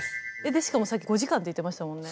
でしかもさっき５時間って言ってましたもんね。